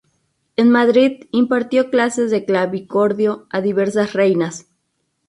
En Madrid impartió clases de clavicordio a diversas reinas.